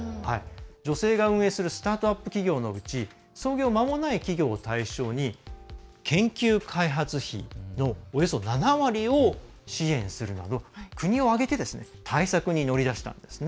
女性が運営するスタートアップ企業のうち創業間もない企業を対象に研究開発費のおよそ７割を支援するなど国を挙げて対策に乗り出したんですね。